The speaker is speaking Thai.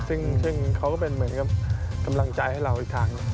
ซึ่งเขาก็เป็นเหมือนกับกำลังใจให้เราอีกทางหนึ่ง